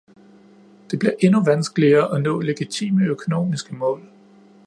Det bliver endnu vanskeligere at nå legitime økonomiske mål.